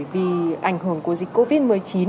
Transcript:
vì ảnh hưởng của dịch covid một mươi chín